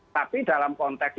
tapi dalam konteks implementasi